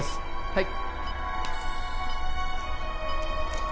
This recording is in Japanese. はい。